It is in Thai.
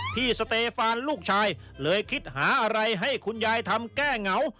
สเตฟานลูกชายเลยคิดหาอะไรให้คุณยายทำแก้เหงา